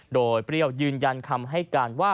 โดยเปรี้ยวยืนยันคำให้การว่า